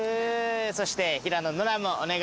そして平野ノラもお願いします。